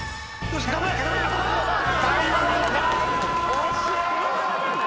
惜しーい！